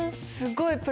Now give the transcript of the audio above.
すごい。